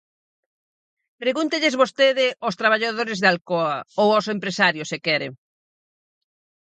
Pregúntelles vostede aos traballadores de Alcoa, ou aos empresarios, se quere.